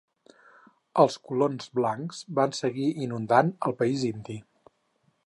Els colons blancs van seguir inundant el país indi.